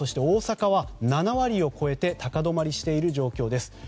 大阪は７割を超えて高止まりしている状況です。